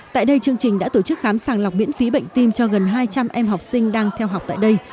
tại đây chương trình đã tổ chức khám sàng lọc miễn phí bệnh tim cho gần hai trăm linh em học sinh đang theo học tại đây